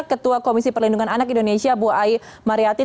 ketua komisi perlindungan anak indonesia bu aiyu mariyati